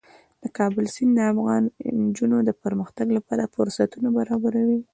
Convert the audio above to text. د کابل سیند د افغان نجونو د پرمختګ لپاره فرصتونه برابروي.